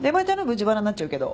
自腹になっちゃうけど。